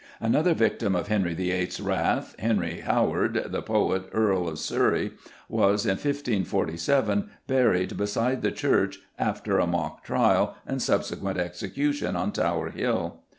Another victim of Henry VIII.'s wrath, Henry Howard, the poet Earl of Surrey, was, in 1547, buried beside the church after a mock trial and subsequent execution on Tower Hill.